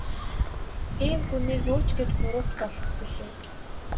Ийм хүнийг юу ч гэж буруут болгох билээ.